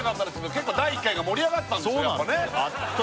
結構第１回が盛り上がったんですよ